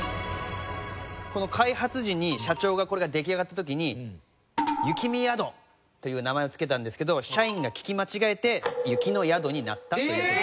開発時に社長がこれが出来上がった時に「雪見宿」という名前を付けたんですけど社員が聞き間違えて「雪の宿」になったという。